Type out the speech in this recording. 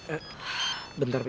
eh bentar pi